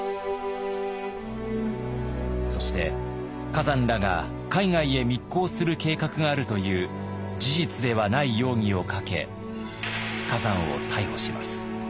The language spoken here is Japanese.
そして崋山らが海外へ密航する計画があるという事実ではない容疑をかけ崋山を逮捕します。